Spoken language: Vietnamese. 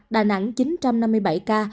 đà nẵng chín năm mươi bảy ca